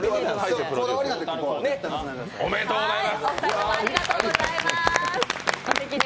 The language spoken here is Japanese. おめでとうございます！